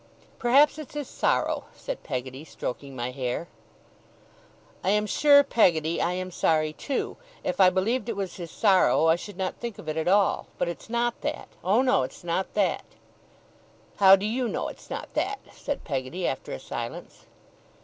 'Perhaps it's his sorrow,' said Peggotty, stroking my hair. 'I am sure, Peggotty, I am sorry too. If I believed it was his sorrow, I should not think of it at all. But it's not that; oh, no, it's not that.' 'How do you know it's not that?' said Peggotty, after a silence.